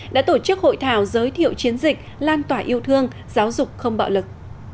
đã tổ chức hội thảo giới thiệu chiến dịch lan tỏa yêu thương giáo dục không bạo lực